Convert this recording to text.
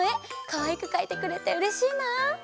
かわいくかいてくれてうれしいな！